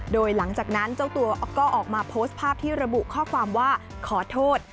โดยหลังจากนั้นเจ้าตัวก็ออกมาโพสต์ภาพที่ระบุข้อความว่าขอโทษ